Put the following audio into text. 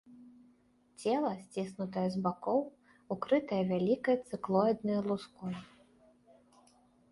Цела сціснутае з бакоў, укрытае вялікай цыклоіднай луской.